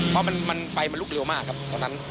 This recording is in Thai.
เพราะมันไฟมันลุกเร็วมากครับตอนนั้น